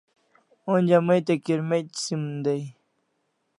Onja mai te kirmec' sim dai